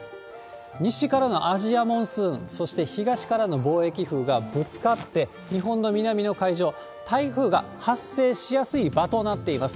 西からのアジアモンスーン、そして東からの貿易風がぶつかって、日本の南の海上、台風が発生しやすい場となっています。